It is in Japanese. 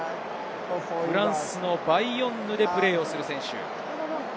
フランスのバイヨンヌでプレーする選手。